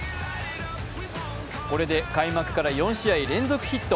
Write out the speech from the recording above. これで開幕から４試合連続ヒット。